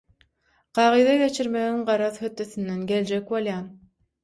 kagyza geçirmegiň garaz hötdesinden geljek bolýan.